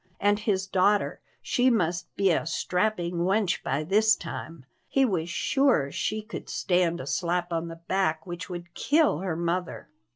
And his daughter, she must be a strapping wench by this time; he was sure she could stand a slap on the back which would kill her mother.